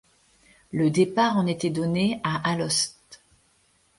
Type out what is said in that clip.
Le départ en était donné à Alost.